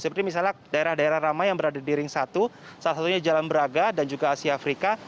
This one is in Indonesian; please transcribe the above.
seperti misalnya daerah daerah ramai yang berada di ring satu salah satunya jalan braga dan juga asia afrika